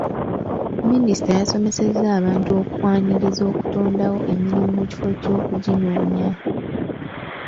Minisita yasomesezza abantu okwaniriza okutondawo emirimu mu kifo ky'okuginoonya.